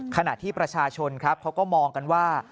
ขณะที่ประชาชนครับเขาก็มองกันว่า